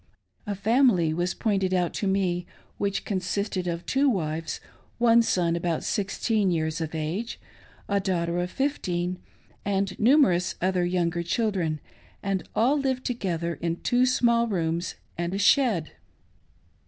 A family was pointed out to me, which consisted of two wives, one son about sixteen years of age, a daughter of fifteen, and numerous other younger children ; and all lived together in two small rooms and a shed.